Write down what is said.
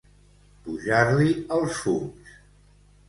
Pujar-li els fums.